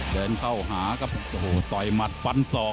เดินเข้าหาครับโอ้โหต่อยหมัดฟันศอก